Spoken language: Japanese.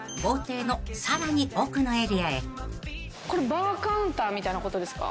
これバーカウンターみたいなことですか？